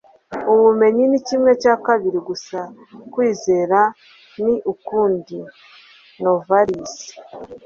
ubumenyi ni kimwe cya kabiri gusa. kwizera ni ukundi. - novalis